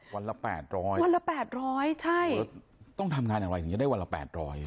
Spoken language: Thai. วันละแปดร้อยต้องทำงานอะไรอย่างนี้จะได้วันละแปดร้อย